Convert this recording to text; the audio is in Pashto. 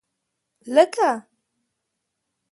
لکه